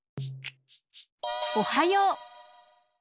「おはよう」。